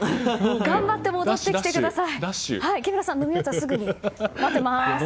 頑張って戻ってきてください！